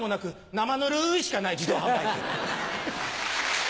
生ぬるいしかない自動販売機。